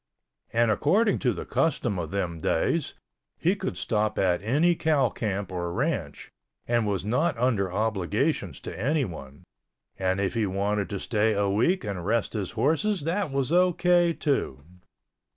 And according to the custom of them days he could stop at any cow camp or ranch and was not under obligations to anyone, and if he wanted to stay a week and rest his horses that was O.K. too.